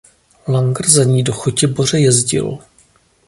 Langer za ní do Chotěboře jezdil.